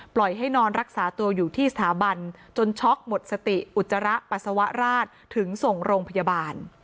ปล่อยให้นอนรักษาตัวอยู่ที่สถาบันจนช็อกหมดสติอุจจาระปัสสาวะราชถึงส่งโรงพยาบาล